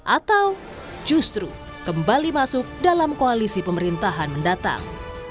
atau justru kembali masuk dalam koalisi pemerintahan mendatang